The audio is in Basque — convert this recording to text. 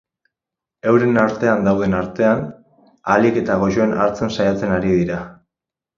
Euren artean dauden artean, ahalik eta goxoen hartzen saiatzen ari dira.